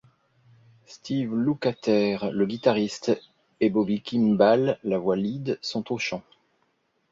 Steve Lukather, le guitariste et Bobby Kimball, la voix lead, sont au chant.